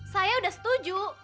saya sudah setuju